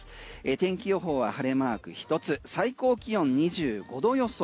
天気予報は晴れマーク１つ最高気温２５度予想。